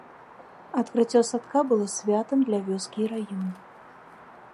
Адкрыццё садка было святам для вёскі і раёна.